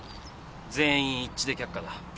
全員一致で却下だ。